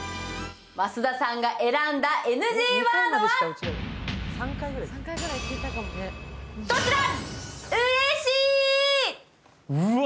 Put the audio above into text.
増田さんが選んだＮＧワードはこちら！